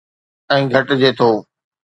۽ گھٽجي ٿو